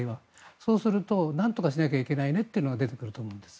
そうするとなんとかしなきゃいけないねというのが出てくると思うんです。